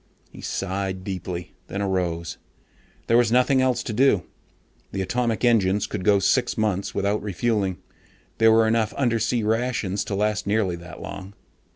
He sighed deeply, then arose. There was nothing else to do. The atomic engines could go six months without refueling. There were enough undersea rations to last nearly that long.